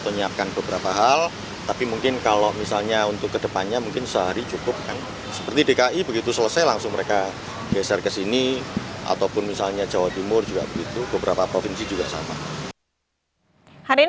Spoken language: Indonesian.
hingga tanggal dua puluh maret kpu menargetkan rekapitulasi selesai lebih cepat dari tenggat waktu tanggal dua puluh maret dua ribu dua puluh empat